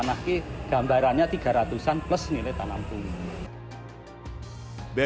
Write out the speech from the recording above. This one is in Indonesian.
tanahnya gambarannya tiga ratus an plus nilai tanam tumbuh